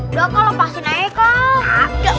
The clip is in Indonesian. udah aku lepasin aja kok